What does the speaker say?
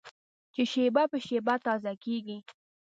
چې شېبه په شېبه تازه کېږي.